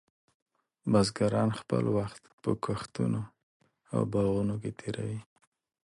بزګرانو خپل وخت په کښتونو او باغونو کې تېراوه.